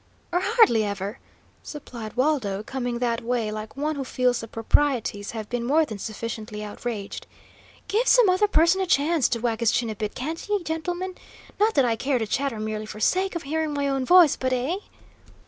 "Or hardly ever," supplied Waldo, coming that way like one who feels the proprieties have been more than sufficiently outraged. "Give some other person a chance to wag his chin a bit, can't ye, gentlemen? Not that I care to chatter merely for sake of hearing my own voice; but eh?"